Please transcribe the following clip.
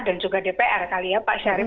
kalau di dpr kali ya pak syarif